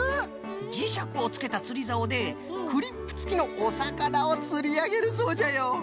じしゃくをつけたつりざおでクリップつきのおさかなをつりあげるそうじゃよ。